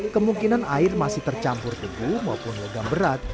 kemungkinan air masih tercampur debu maupun logam berat